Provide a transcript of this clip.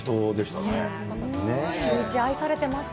シューイチ愛されてました。